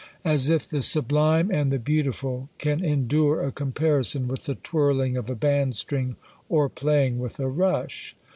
As if "the sublime and the beautiful" can endure a comparison with the twirling of a band string or playing with a rush!